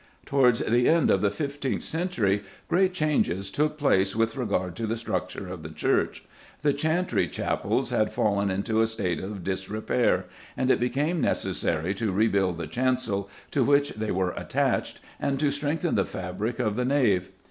Towards the end of the fifteenth century great changes took place with regard to the structure of the church. The chantry chapels had fallen into a state of disrepair, and it became necessary to rebuild the chancel to which they were attached and to strengthen the fabric of the nave.